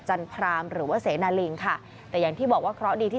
จันพรามหรือว่าเสนาลิงค่ะแต่อย่างที่บอกว่าเคราะห์ดีที่